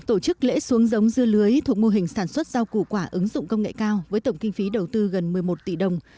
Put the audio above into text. tổ chức lễ xuống giống dưa lưới thuộc mô hình sản xuất rau củ quả ứng dụng công nghệ cao với tổng kinh phí đầu tư gần một mươi một tỷ đồng